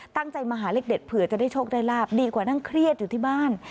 ตั้งใจมาหาเลขเด็ดเผื่อจะได้โชคได้ลาบดีกว่านั่งเครียดอยู่ที่บ้าน